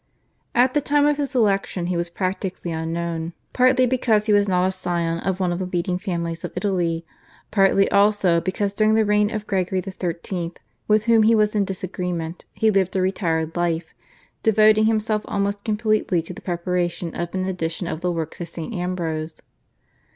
At the time of his election he was practically unknown, partly because he was not a scion of one of the leading families of Italy, partly, also, because during the reign of Gregory XIII. with whom he was in disagreement he lived a retired life, devoting himself almost completely to the preparation of an edition of the works of St. Ambrose.